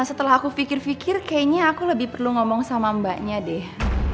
setelah aku pikir pikir kayaknya aku lebih perlu ngomong sama mbaknya deh